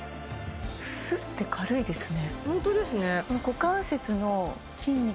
スッて軽いですね